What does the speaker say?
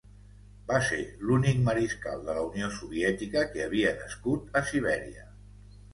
Va ser l'únic mariscal de la Unió Soviètica que havia nascut a Sibèria.